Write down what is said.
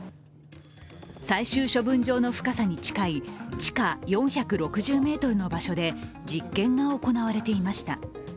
最終処分場の深さに近い地下４６０ｍの場所で実験が行われていました。